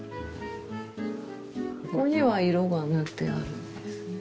ここには色が塗ってあるんですね。